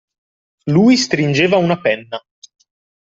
Lui stringeva una penna